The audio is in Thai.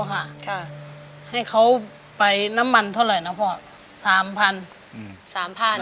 ให้เขาไปน้ำมันเท่าไรน่ะพ่อสามพันใช่สามพัน